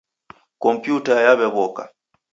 Kompyuta yaw'ew'oka.